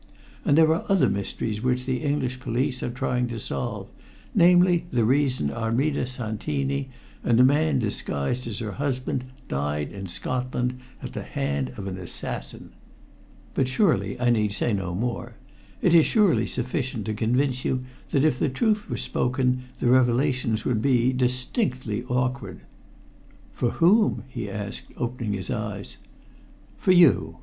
And there are other mysteries which the English police are trying to solve, namely, the reason Armida Santini and a man disguised as her husband died in Scotland at the hand of an assassin. But surely I need say no more. It is surely sufficient to convince you that if the truth were spoken, the revelations would be distinctly awkward." "For whom?" he asked, opening his eyes. "For you.